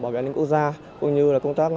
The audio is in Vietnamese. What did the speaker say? bảo vệ an ninh quốc gia cũng như là công tác